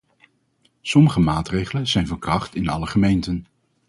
Sommige maatregelen zijn van kracht in alle gemeenten.